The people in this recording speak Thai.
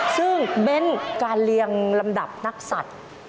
ซึ่งเบ้นการเรียงลำดับนักสัตว์